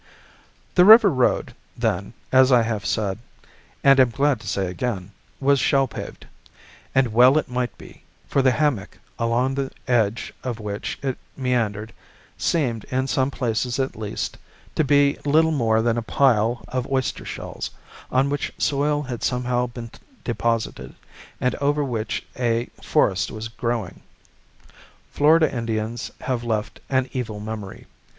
The river road, then, as I have said, and am glad to say again, was shell paved. And well it might be; for the hammock, along the edge of which it meandered, seemed, in some places at least, to be little more than a pile of oyster shells, on which soil had somehow been deposited, and over which a forest was growing. Florida Indians have left an evil memory.